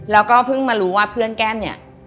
แล้วก็เพิ่งมารู้ว่าเพื่อนแก้มเนี่ย